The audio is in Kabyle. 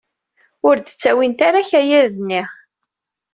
Ur d-ttawint ara akayad-nni.